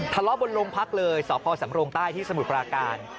ทะเลาะบนโรงพักเลยสพสำรงใต้ที่สมุทรปราการ